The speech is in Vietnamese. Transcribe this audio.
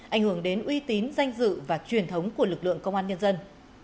ảnh hưởng đến uy tín danh dự và truyền thống của lực lượng công an nhân dân